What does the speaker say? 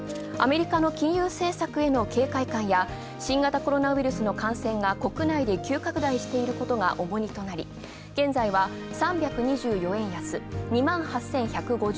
アメリカの金融政策への警戒感や新型コロナの感染が国内で急拡大していることが重荷となり現在は３２４円安、２万８１５４円。